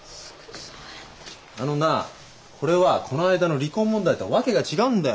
あのなこれはこの間の離婚問題とは訳が違うんだよ。